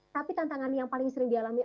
tapi tantangan yang paling sering dialami